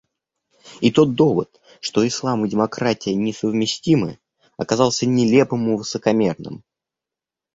И тот довод, что ислам и демократия несовместимы, оказался нелепым и высокомерным.